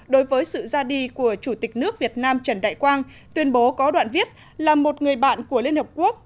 đối với sự ra đi của chủ tịch nước việt nam trần đại quang tuyên bố có đoạn viết là một người bạn của liên hợp quốc